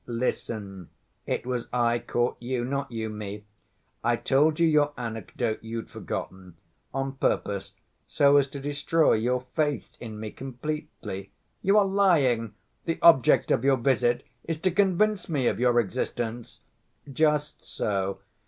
Listen, it was I caught you, not you me. I told you your anecdote you'd forgotten, on purpose, so as to destroy your faith in me completely." "You are lying. The object of your visit is to convince me of your existence!" "Just so.